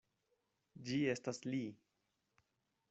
Ĝi estas li!